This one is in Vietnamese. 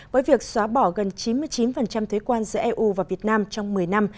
với việc xóa bỏ gần chín mươi chín thuế quan giữa eu và việt nam trong một mươi năm